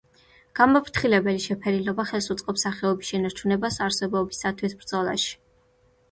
გამაფრთხილებელი შეფერილობა ხელს უწყობს სახეობის შენარჩუნებას არსებობისათვის ბრძოლაში.